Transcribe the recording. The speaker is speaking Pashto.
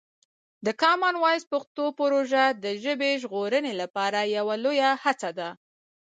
د کامن وایس پښتو پروژه د ژبې ژغورنې لپاره یوه لویه هڅه ده.